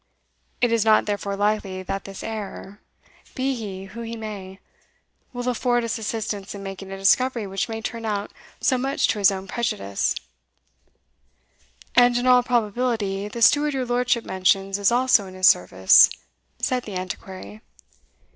It is not therefore likely that this heir, be he who he may, will afford us assistance in making a discovery which may turn out so much to his own prejudice." "And in all probability the steward your lordship mentions is also in his service," said the Antiquary.